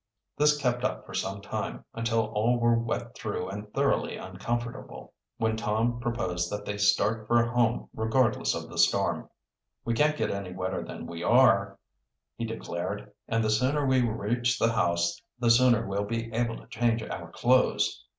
This kept up for some time, until all were wet through and thoroughly uncomfortable, when Tom proposed that they start for home regardless of the storm. "We can't get any wetter than we are," he declared. "And the sooner we reach the house the sooner we'll be able to change our clothes."